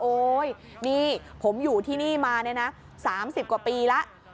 โอ๊ยนี่ผมอยู่ที่นี่มาเนี่ยนะ๓๐กว่าปีแล้ว